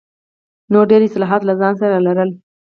نور ډېر اصلاحات له ځان سره لرل.